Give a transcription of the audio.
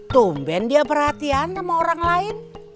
tumben dia perhatian sama orang lain